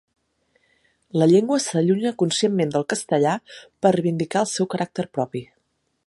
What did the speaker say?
La llengua s'allunya conscientment del castellà per reivindicar el seu caràcter propi.